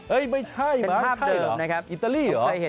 เอ๊ยไม่ใช่เป็นภาพเดิมนะครับอิตาลีเหรอ